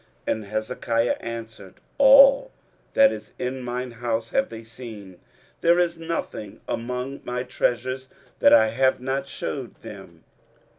And Hezekiah answered, All that is in mine house have they seen: there is nothing among my treasures that I have not shewed them.